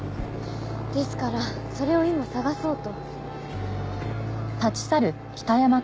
ですからそれを今捜そうと。